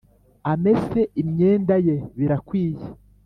amese imyenda ye birakwiye